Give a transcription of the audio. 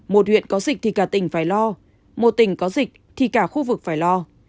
một huyện có dịch thì cả tỉnh phải lo một tỉnh có dịch thì cả khu vực phải lo